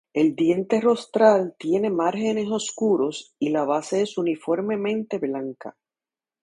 El diente rostral tiene márgenes oscuros, y la base es uniformemente blanca.